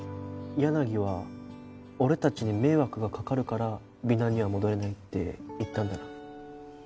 柳は俺たちに迷惑がかかるから美南には戻れないって言ったんだな？